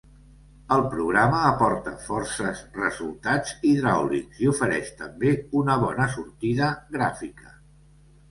El programa aporta forces resultats hidràulics i ofereix també una bona sortida gràfica.